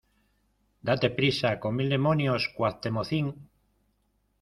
¡ date prisa, con mil demonios , Cuactemocín!